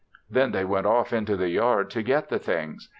They then went off into the yard to get the things.